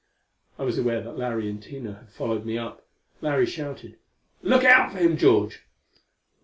I was aware that Larry and Tina had followed me up. Larry shouted, "Look out for him, George!"